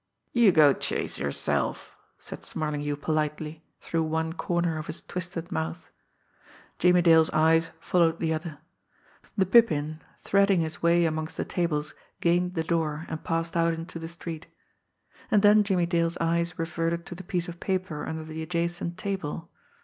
"You go chase yourself!" said Smarlinghue politely, through one corner of his twisted mouth. Jimmie Dale's eyes followed the other. The Pippin, threading his way amongst the tables, gained the door, and passed out into the street. And then Jimmie Dale's eyes reverted to the piece of paper under the adjacent table.